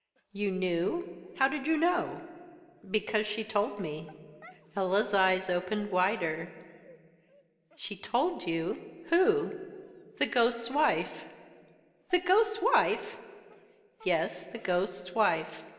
"You knew? How did you know?" "Because she told me." Ella's eyes opened wider. "She told you? Who?" "The ghost's wife." "The ghost's wife!" "Yes, the ghost's wife.